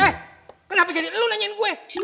eh kenapa jadi lo nanyain gue